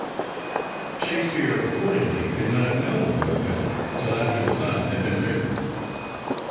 Shakespeare, accordingly, could not have known Lord Pembroke till after the Sonnets had been written.